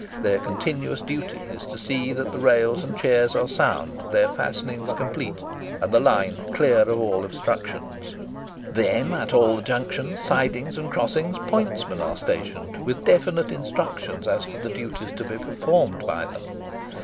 Their continuous duty is to see that the rails and chairs are sound, their fastenings complete, and the line clear of all obstructions. Then, at all the junctions, sidings, and crossings, pointsmen are stationed, with definite instructions as to the duties to be performed by them.